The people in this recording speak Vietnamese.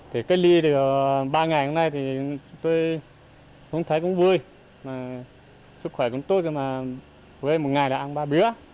thì cách ly được ba ngày hôm nay thì tôi không thấy cũng vui mà sức khỏe cũng tốt nhưng mà với một ngày là ăn ba bữa